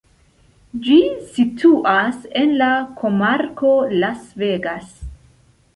Ĝi situas en la komarko Las Vegas.